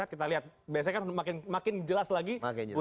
kita lihat biasanya kan makin jelas lagi